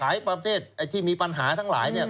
ประเทศที่มีปัญหาทั้งหลาย